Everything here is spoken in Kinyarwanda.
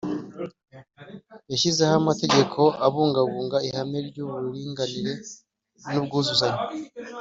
Yashyizeho amategeko abungabunga ihame ry’uburinganire n’ubwuzuzanye